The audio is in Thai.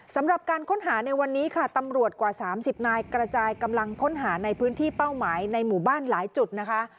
สำหรับการค้นหาในวันนี้ค่ะตำรวจกว่า๓๐นายกระจายกำลังค้นหาในพื้นที่เป้าหมายในหมู่บ้านหลายจุดนะคะ